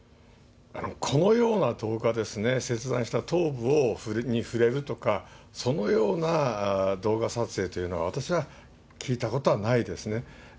このような動画ですね、切断した頭部に触れるとか、そのような動画撮影というのは、私は聞いたことはないですね。